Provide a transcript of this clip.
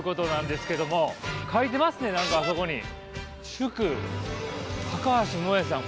「祝橋萌さん」。